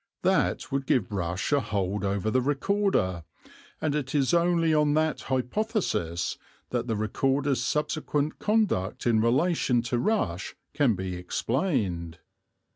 That would give Rush a hold over the Recorder, and it is only on that hypothesis that the Recorder's subsequent conduct in relation to Rush can be explained.